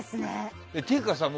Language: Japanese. っていうかさ